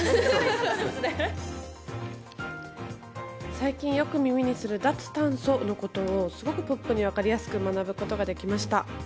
最近よく耳にする脱炭素のことをすごくポップに分かりやすく学ぶことができました。